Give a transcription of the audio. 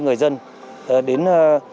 các người dân đến